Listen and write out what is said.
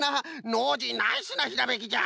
ノージーナイスなひらめきじゃ。